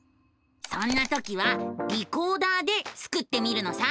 そんな時は「リコーダー」でスクってみるのさ！